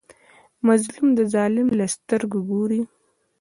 مظلوم د ظالم له سترګو ګوري.